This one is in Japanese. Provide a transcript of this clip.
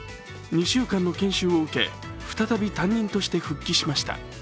２週間の研修を受け再び担任として復帰しました。